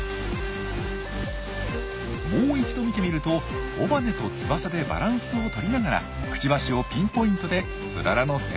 もう一度見てみると尾羽と翼でバランスを取りながらくちばしをピンポイントでツララの先端へ。